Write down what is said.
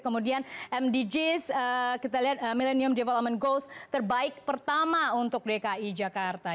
kemudian mdgs kita lihat millennium development goals terbaik pertama untuk dki jakarta